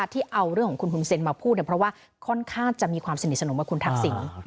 ที่เอาในเรื่องของคุณศิลป์มันพูดพูดว่าค่อนข้างจะมีความสนิทสนงบ้างคุณทักษิน